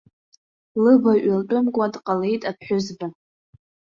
Лыбаҩ лтәымкәа дҟалеит аԥҳәызба.